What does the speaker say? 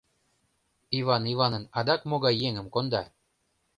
Иван Иванын адак могай еҥым конда?